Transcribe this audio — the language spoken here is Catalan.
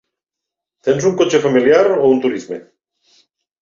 Tens un cotxe familiar o un turisme?